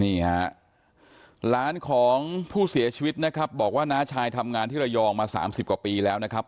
นี่ฮะหลานของผู้เสียชีวิตนะครับบอกว่าน้าชายทำงานที่ระยองมา๓๐กว่าปีแล้วนะครับ